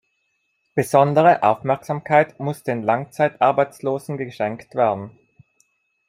Besondere Aufmerksamkeit muss den Langzeitarbeitslosen geschenkt werden.